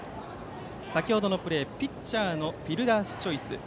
先程のプレーは、ピッチャーのフィルダースチョイス。